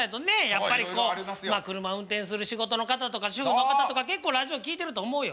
やっぱりこう車運転する仕事の方とか主婦の方とか結構ラジオ聴いてると思うよ。